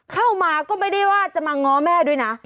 เข้ามาก็ไม่ได้ว่าจะมาง้อแม่ด้วยนะ